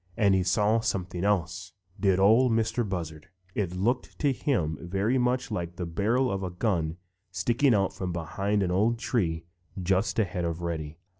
And he saw something else, did Ol' Mistah Buzzard. It looked to him very much like the barrel of a gun sticking out from behind an old tree just ahead of Reddy.